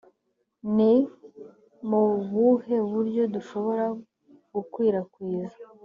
ni mu buhe buryo dushobora gukwirakwiza